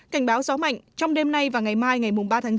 cảnh báo gió mạnh trong đêm nay và ngày mai ngày ba tháng chín